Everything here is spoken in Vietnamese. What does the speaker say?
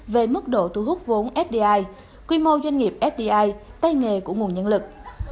về mức độ thu hút vốn fdi quy mô doanh nghiệp fdi tay nghề của nguồn nhân lực